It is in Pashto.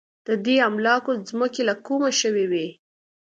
د دې املاکو ځمکې له کومه شوې وې.